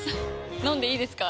飲んでいいですか？